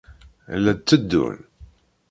La d-tteddun.